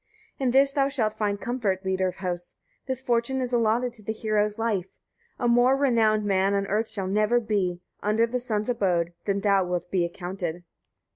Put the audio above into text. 52. In this thou shalt find comfort, leader of hosts! This fortune is allotted to the hero's life: a more renowned man on earth shall never be, under the sun's abode, than thou wilt be accounted.